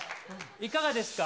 いかがですか？